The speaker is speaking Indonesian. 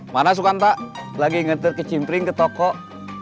mana sukanta lagi ngetir ke chimpiring ke tokoh